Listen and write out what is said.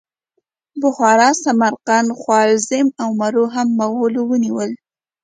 بخارا، سمرقند، خوارزم او مرو هم مغولو ونیول.